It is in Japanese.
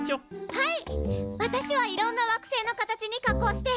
はい！